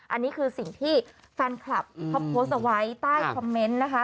อันนี้คือสิ่งที่แฟนคลับเขาโพสต์เอาไว้ใต้คอมเมนต์นะคะ